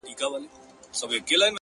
زما سجده دي ستا د هيلو د جنت مخته وي ـ